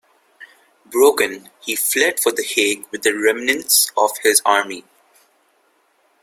Broken, he fled for The Hague with the remnants of his army.